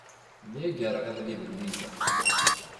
Myagreɣ iḍelli d Lwiza.